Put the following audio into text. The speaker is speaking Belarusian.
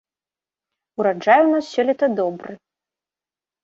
Ураджай у нас сёлета добры.